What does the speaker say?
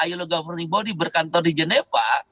ilo governing body berkantor di geneva